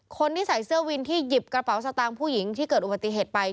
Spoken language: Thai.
คนที่ใส่เสื้อวินที่หยิบกระเป๋าสตางค์ผู้หญิงที่เกิดอุบัติเหตุไป